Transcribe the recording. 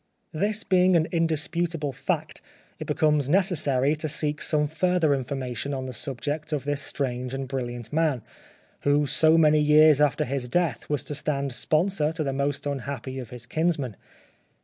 This being an indisputable fact it becomes necessary to seek some further information on the subject of this strange and brilliant man, who so many years after his death was to stand sponsor to the most unhappy of his kinsmen.